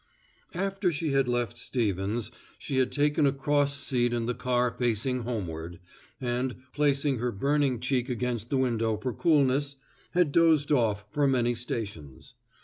After she had left Stevens she had taken a cross seat in the car facing homeward, and, placing her burning cheek against the window for coolness, had dozed off for many stations.